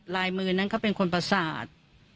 ลายมือนั้นเขาเป็นคนประสาท